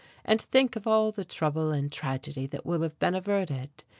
And think of all the trouble and tragedy that will have been averted.